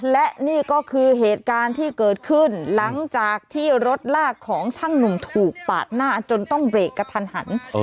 และนี่ก็คือเหตุการณ์ที่เกิดขึ้นหลังจากที่รถลากของช่างหนุ่มถูกปาดหน้าจนต้องเบรกกระทันหัน